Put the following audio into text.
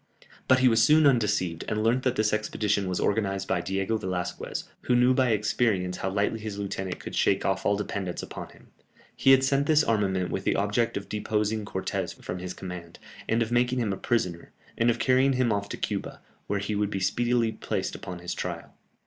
But he was soon undeceived, and learnt that this expedition was organized by Diego Velasquez, who knew by experience how lightly his lieutenant could shake off all dependence upon him; he had sent this armament with the object of deposing Cortès from his command, of making him a prisoner, and of carrying him off to Cuba, where he would be speedily placed upon his trial.